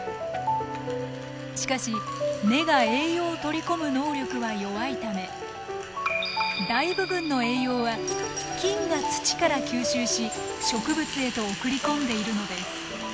しかし根が栄養を取り込む能力は弱いため大部分の栄養は菌が土から吸収し植物へと送り込んでいるのです。